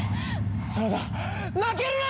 そうだ負けるな！！